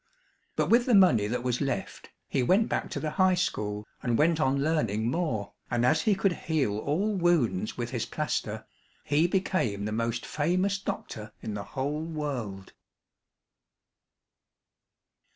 But with the money that was left, he went back to the High School and went on learning more, and as he could heal all wounds with his plaster, he became the most famous doctor in the whole world.